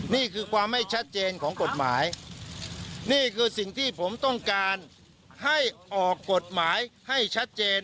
นี่คือความไม่ชัดเจนของกฎหมายนี่คือสิ่งที่ผมต้องการให้ออกกฎหมายให้ชัดเจน